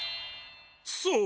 そう？